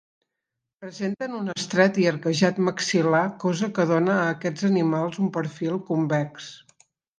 Presenten un estret i arquejat maxil·lar, cosa que dóna a aquests animals un perfil convex.